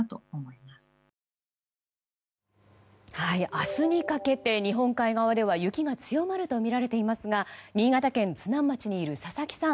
明日にかけて日本海側では雪が強まるとみられていますが新潟県津南町にいる佐々木さん